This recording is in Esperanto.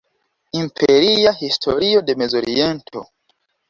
Imperia Historio de Mezoriento.